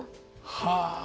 はあ。